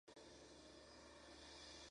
Fue sucedido por su hijo Yahdun-Lim.